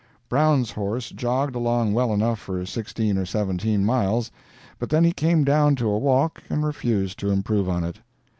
Brown's horse jogged along well enough for 16 or 17 miles, but then he came down to a walk and refused to improve on it.